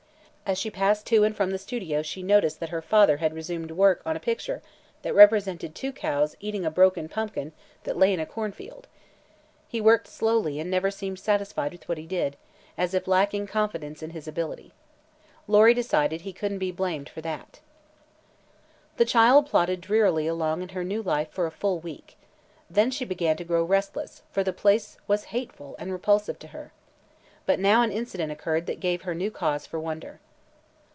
As she passed to and from the studio she noticed that her father had resumed work on a picture that represented two cows eating a broken pumpkin that lay in a cornfield. He worked slowly and never seemed satisfied with what he did, as if lacking confidence in his ability. Lory decided he couldn't be blamed for that. The child plodded drearily along in her new life for a full week. Then she began to grow restless, for the place was hateful and repulsive to her. But now an incident occurred that gave her new cause for wonder.